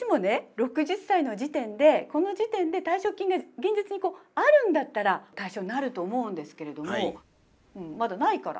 ６０歳の時点でこの時点で退職金が現実にこうあるんだったら対象になると思うんですけれどもまだないから。